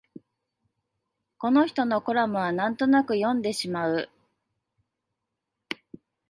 この人のコラムはなんとなく読んでしまう